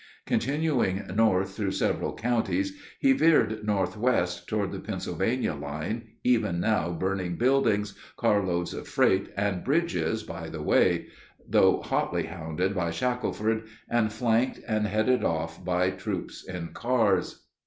Continuing north through several counties, he veered northwest toward the Pennsylvania line, even now burning buildings, car loads of freight, and bridges by the way, though hotly hounded by Shackelford, and flanked and headed off by troops in cars.